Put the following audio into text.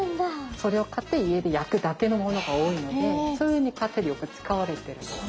それを買って家でやくだけのものが多いのでそういうふうにかていでよくつかわれてるんです。